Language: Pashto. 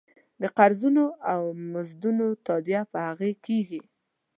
د قرضونو او مزدونو تادیه په هغې کېږي.